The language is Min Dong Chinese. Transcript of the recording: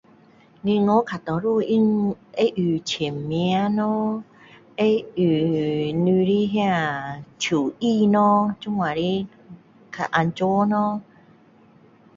银行较多数它,会用签名咯，会用你的那，手印咯，这样的，较安全咯！